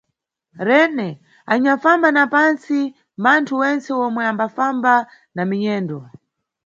Rene, anyanʼfamba na pantsi mbanthu wentse omwe ambafamba na minyendo.